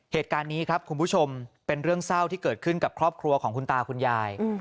เหตุการณ์นี้ครับคุณผู้ชมเป็นเรื่องเศร้าที่เกิดขึ้นกับครอบครัวของคุณตาคุณยาย